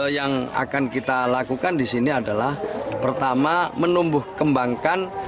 yang akan kita lakukan di sini adalah pertama menumbuh kembangkan